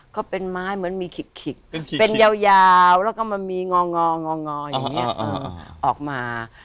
ก็เป็นไม้เหมือนมีขิกเป็นยาวแล้วก็มันมีงองออย่างนี้ออกมา